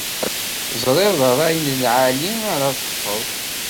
Ẓriɣ d rray n lɛali ara teṭṭfeḍ.